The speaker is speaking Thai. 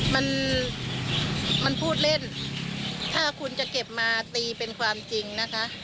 มันมันพูดเล่นถ้าคุณจะเก็บมาตีเป็นความจริงนะคะ